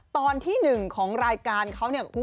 ตอนที่๑ของรายการเขาเนี่ย